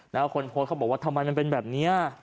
แล้วคนโพสต์เขาบอกว่าทำไมมันเป็นแบบนี้